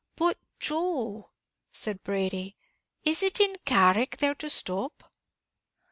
"But Joe," said Brady, "is it in Carrick they're to stop?"